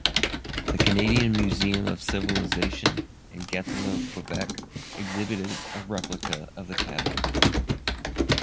The Canadian Museum of Civilization in Gatineau, Quebec, exhibited a replica of the cabin.